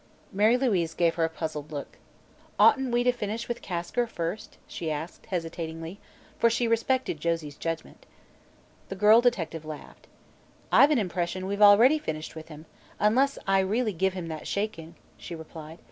Mary Louise gave her a puzzled look. "Oughtn't we to finish with Kasker, first?" she asked, hesitatingly, for she respected Josie's judgment. The girl detective laughed. "I've an impression we've already finished with him unless I really give him that shaking," she replied.